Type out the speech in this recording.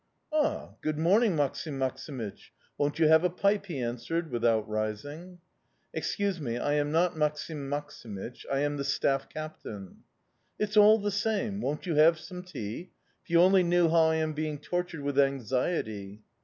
"'Ah, good morning, Maksim Maksimych! Won't you have a pipe?' he answered, without rising. "'Excuse me, I am not Maksim Maksimych. I am the staff captain.' "'It's all the same! Won't you have some tea? If you only knew how I am being tortured with anxiety.